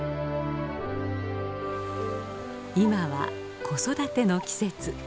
今は子育ての季節。